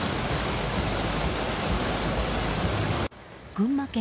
群馬県